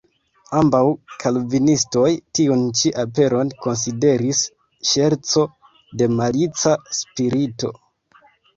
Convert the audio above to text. Ambaŭ kalvinistoj tiun ĉi aperon konsideris ŝerco de malica spirito.